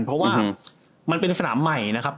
เพราะว่ามันเป็นสนามใหม่นะครับ